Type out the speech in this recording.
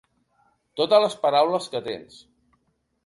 Totes les paraules que tens.